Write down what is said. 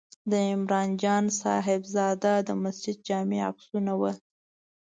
د عمر جان صاحبزاده د مسجد جامع عکسونه و.